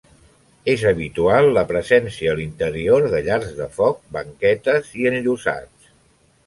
És habitual la presència a l'interior de llars de foc, banquetes i enllosats.